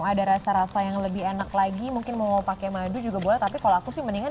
ada rasa rasa yang lebih enak lagi mungkin mau pakai madu juga boleh tapi kalau aku sih mendingan